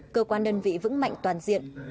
cơ quan đơn vị vững mạnh toàn diện